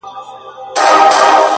كومه يوه خپله كړم؛